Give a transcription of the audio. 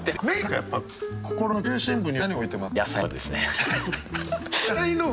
やっぱ心の中心部には何を置いてますか？